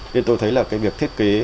thế tôi thấy là cái việc thiết kế